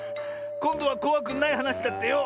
こんどはこわくないはなしだってよ。